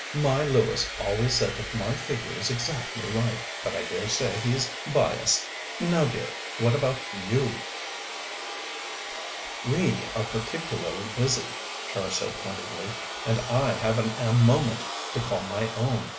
My Lewis always says that my figure is exactly right, but I dare say he's biassed. Now, dear, what about you?" "We are particularly busy," Char said pointedly, "and I haven't a moment to call my own.